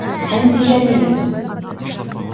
أنت جميلة.